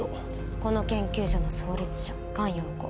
この研究所の創立者菅容子